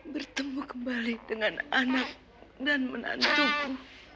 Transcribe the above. bertemu kembali dengan anak dan menantuku